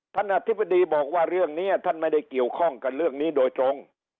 อธิบดีบอกว่าเรื่องนี้ท่านไม่ได้เกี่ยวข้องกับเรื่องนี้โดยตรง